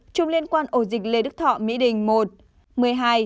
một mươi một chùm liên quan ổ dịch lê đức thọ mỹ đình một